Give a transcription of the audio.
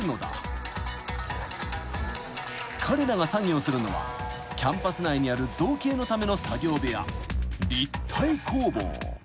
［彼らが作業するのはキャンパス内にある造形のための作業部屋立体工房］